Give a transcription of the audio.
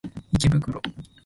池袋